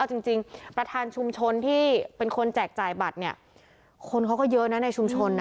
จริงประธานชุมชนที่เป็นคนแจกจ่ายบัตรเนี่ยคนเขาก็เยอะนะในชุมชน